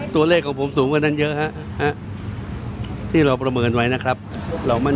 ตัวเลขของผมสูงกว่านั้นเยอะฮะ